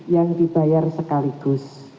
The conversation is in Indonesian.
yang dibayar sekaligus